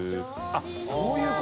あっ。